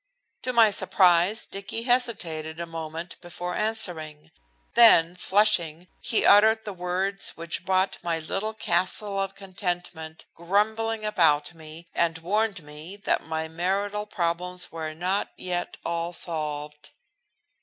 To my surprise, Dicky hesitated a moment before answering. Then, flushing, he uttered the words which brought my little castle of contentment grumbling about me and warned me that my marital problems were not yet all solved.